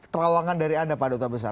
terima kasih pak duta besar